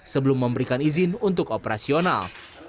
sebelum memberikan izin untuk operasional